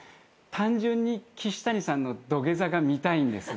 単純にキシタニさんの土下座が見たいんです。